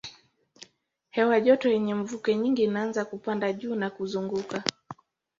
Hewa joto yenye mvuke nyingi inaanza kupanda juu na kuzunguka.